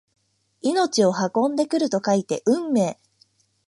命を運んでくると書いて運命！